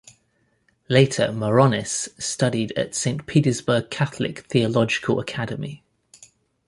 Later Maironis studied at Saint Petersburg Catholic Theological Academy.